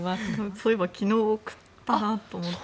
そういえば昨日送ったなと思って。